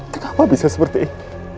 kenapa bisa seperti ini